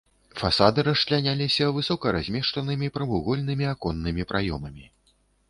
Фасады расчляняліся высока размешчанымі прамавугольнымі аконнымі праёмамі.